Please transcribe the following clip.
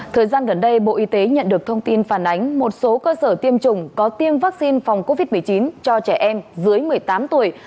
thời gian gần đây bộ y tế nhận được thông tin phản ánh một số cơ sở tiêm chủng có tiêm vaccine phòng covid một mươi chín cho trẻ em dưới một mươi tám tuổi